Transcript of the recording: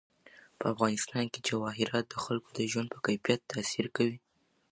په افغانستان کې جواهرات د خلکو د ژوند په کیفیت تاثیر کوي.